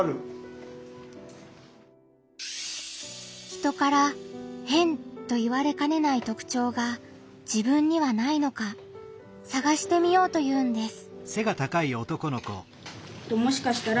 人から「変」と言われかねない特徴が自分にはないのかさがしてみようというんです。